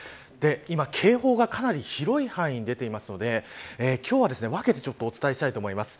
今、警報がかなり広い範囲に出ていますので今日は分けてお伝えしたいと思います。